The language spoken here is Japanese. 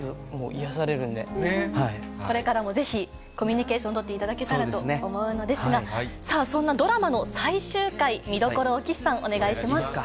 これからもぜひ、コミュニケーション取っていただけたらと思うのですが、さあ、そんなドラマの最終回、見どころを岸さん、お願いします。